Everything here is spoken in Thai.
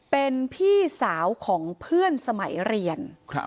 เป็นพี่สาวของเพื่อนสมัยเรียน